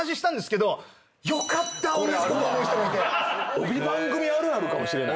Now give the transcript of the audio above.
帯番組あるあるかもしれない。